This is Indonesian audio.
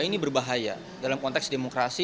ini berbahaya dalam konteks demokrasi